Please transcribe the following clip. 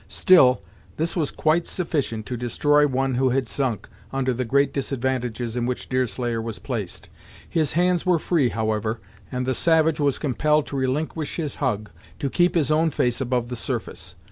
Still this was quite sufficient to destroy one who had sunk, under the great disadvantages in which Deerslayer was placed. His hands were free, however, and the savage was compelled to relinquish his hug, to keep his own face above the surface.